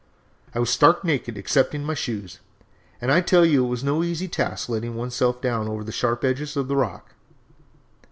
"I was stark naked excepting my shoes, and I tell you it was no easy task letting one's self down over the sharp edges of the rock.